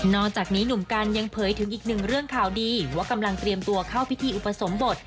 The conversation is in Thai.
จากนี้หนุ่มกันยังเผยถึงอีกหนึ่งเรื่องข่าวดีว่ากำลังเตรียมตัวเข้าพิธีอุปสมบท